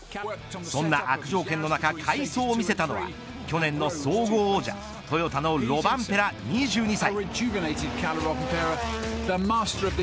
そんな悪条件の中、快走を見せたのは去年の総合王者、トヨタのロバンペラ、２２歳。